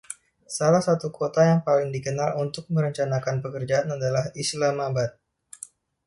Salah satu kota yang paling dikenalnya untuk merencanakan pekerjaan adalah Islamabad.